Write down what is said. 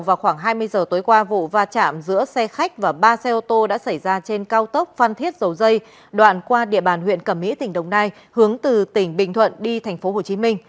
vào khoảng hai mươi giờ tối qua vụ va chạm giữa xe khách và ba xe ô tô đã xảy ra trên cao tốc phan thiết dầu dây đoạn qua địa bàn huyện cẩm mỹ tỉnh đồng nai hướng từ tỉnh bình thuận đi tp hcm